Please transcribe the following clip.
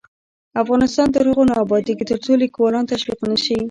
افغانستان تر هغو نه ابادیږي، ترڅو لیکوالان تشویق نشي.